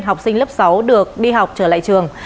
học sinh lớp sáu được đi học trở lại trường